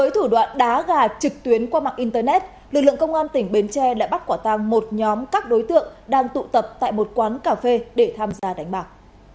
trực tuyến qua mạng internet lực lượng công an tỉnh bến tre đã bắt quả tăng một nhóm các đối tượng đang tụ tập tại một quán cà phê để tham gia đánh bạc